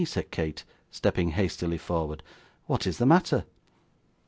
said Kate, stepping hastily forward, 'what is the matter?